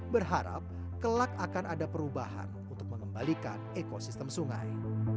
berharap kelak akan ada perubahan untuk mengembalikan ekosistem sungai